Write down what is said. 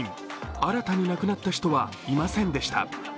新たに亡くなった人はいませんでした。